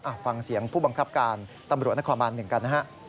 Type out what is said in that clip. อัฟฟังเสียงผู้บังคับการตำรวจนครบาน๑กันนะครับ